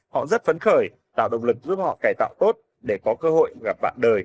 họ rất phấn khởi tạo động lực giúp họ cải tạo tốt để có cơ hội gặp bạn đời